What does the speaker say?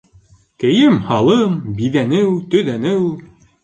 Кейем-һалым, биҙәнеү-төҙәнеү